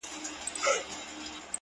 د سترګو کي ستا د مخ سُرخي ده’